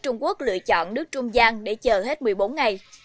trung quốc lựa chọn nước trung gian để chờ hết một mươi bốn ngày